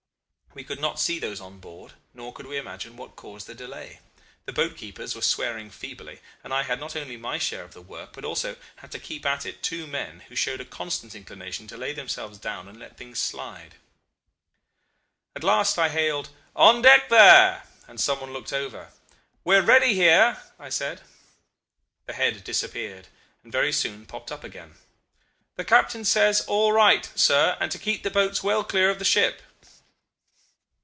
We could not see those on board, nor could we imagine what caused the delay. The boat keepers were swearing feebly, and I had not only my share of the work, but also had to keep at it two men who showed a constant inclination to lay themselves down and let things slide. "At last I hailed 'On deck there,' and someone looked over. 'We're ready here,' I said. The head disappeared, and very soon popped up again. 'The captain says, All right, sir, and to keep the boats well clear of the ship.